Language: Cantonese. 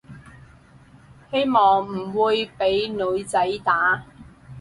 希望唔會畀女仔打